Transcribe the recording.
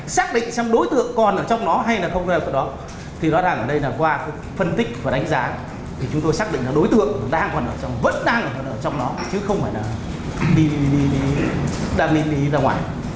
xác định xem đối tượng còn ở trong nó hay là không ở trong đó thì đó là ở đây là qua phân tích và đánh giá thì chúng tôi xác định là đối tượng vẫn đang ở trong nó chứ không phải là đi ra ngoài